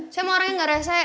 saya mah orang yang gak rese